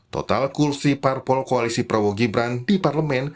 total kursi parpol koalisi prabowo gibran di parlemen